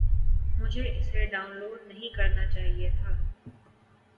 مجھے اسے download ہی نہیں کرنا چاہیے تھا